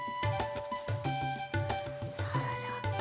さあそれでは。